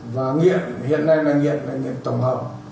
và nghiện hiện nay mà nghiện là nghiện tổng hợp